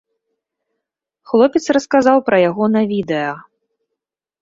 Хлопец расказаў пра яго на відэа.